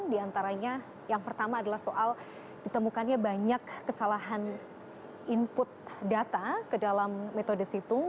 di antaranya yang pertama adalah soal ditemukannya banyak kesalahan input data ke dalam metode situng